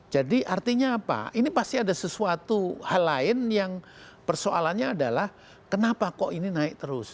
jadi artinya apa ini pasti ada sesuatu hal lain yang persoalannya adalah kenapa kok ini naik terus